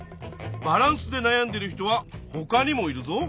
「バランス」でなやんでいる人はほかにもいるぞ。